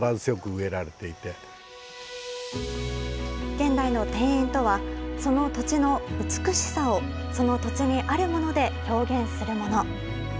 現代の庭園とは、その土地の美しさを、その土地にあるもので表現するもの。